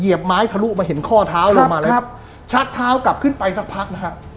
ไม้ทะลุมาเห็นข้อเท้าลงมาแล้วครับชักเท้ากลับขึ้นไปสักพักนะฮะ